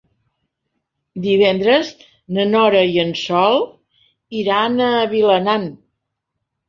Divendres na Nora i en Sol iran a Vilanant.